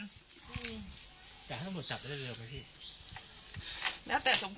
แต่ตำรวจจับได้เร็วมาพี่